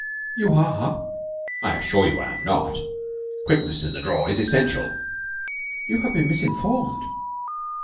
"You are!" "I assure you I am not. Quickness in the draw is essential." "You have been misinformed."